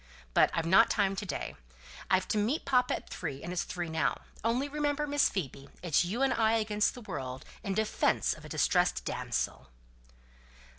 But I've not time to day. I've to meet papa at three, and it's three now. Only remember, Miss Phoebe, it's you and I against the world, in defence of a distressed damsel."